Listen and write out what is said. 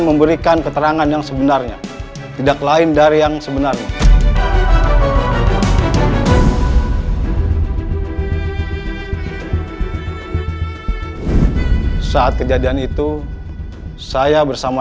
memberikan keterangan yang sebenarnya tidak lain dari yang sebenarnya saat kejadian itu saya bersama